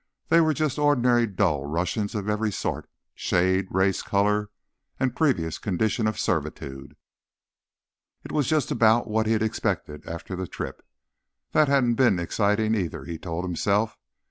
They were just ordinary, dull Russians of every sort, shade, race, color and previous condition of servitude. It was just about what he'd expected after the trip. That hadn't been exciting either, he told himself.